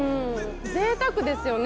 ぜいたくですよね